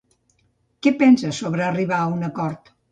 Què pensa sobre arribar a un acord?